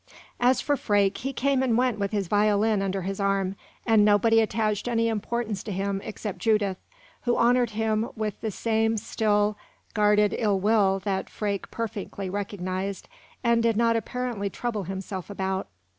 As for Freke, he came and went with his violin under his arm, and nobody attached any importance to him except Judith, who honored him with the same still, guarded ill will that Freke perfectly recognized, and did not apparently trouble himself about.